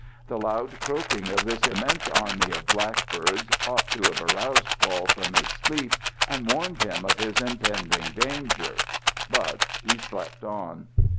The loud croaking of this immense army of black birds ought to have aroused Paul from his sleep and warned him of his impending danger. But he slept on.